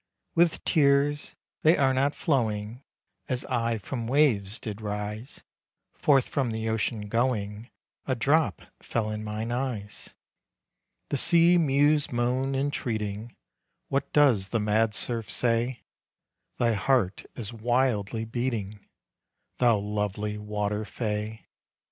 "With tears they are not flowing. As I from waves did rise, Forth from the ocean going, A drop fell in mine eyes." The sea mews moan, entreating, What does the mad surf say? Thy heart is wildly beating, Thou lovely water fay.